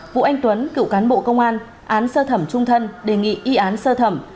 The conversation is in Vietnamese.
vũ anh tuấn cựu cán bộ công an án sơ thẩm trung thân đề nghị y án sơ thẩm